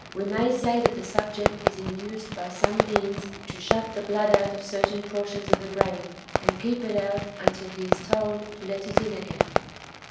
We may say that the subject is induced by some means to shut the blood out of certain portions of the brain, and keep it out until he is told to let it in again.